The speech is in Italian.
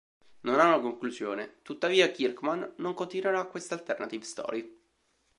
Non ha una conclusione, tuttavia Kirkman non continuerà questa alternative story.